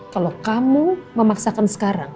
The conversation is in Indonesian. kalau kamu memaksakan sekarang